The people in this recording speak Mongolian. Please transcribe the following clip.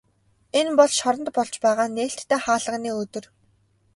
Энэ бол шоронд болж байгаа нээлттэй хаалганы өдөр.